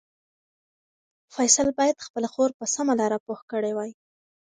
فیصل باید خپله خور په سمه لاره پوه کړې وای.